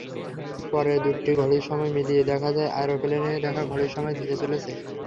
পরে দুটি ঘড়ির সময় মিলিয়ে দেখা যায় অ্যারোপ্লেনে রাখা ঘড়ির সময় ধীরে চলেছে।